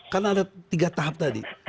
karena ada tiga tahap tadi